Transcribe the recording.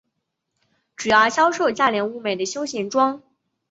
主要销售价廉物美的休闲装。